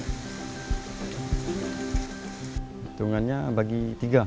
hitungannya bagi tiga